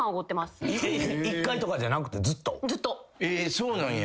そうなんや。